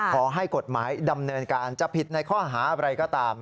ขอให้กฎหมายดำเนินการจะผิดในข้อหาอะไรก็ตาม